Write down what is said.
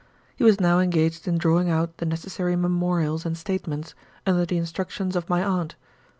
He was now engaged in drawing out the necessary memorials and statements, under the instructions of my aunt.